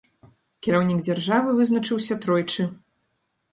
Кіраўнік дзяржавы вызначыўся тройчы.